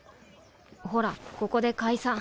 ほらここで解散。